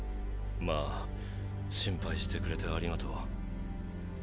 まぁ心配してくれてありがとう。